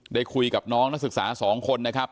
ได้คุยกับน้องนักศึกษา๒คนนะครับ